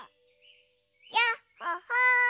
やっほほい。